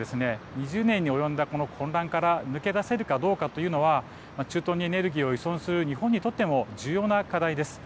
２０年に及んだこの混乱から抜け出せるかどうかというのは中東にエネルギーを依存する日本にとっても重要な課題です。